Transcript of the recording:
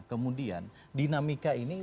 kemudian dinamika ini